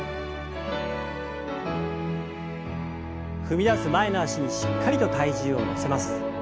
踏み出す前の脚にしっかりと体重を乗せます。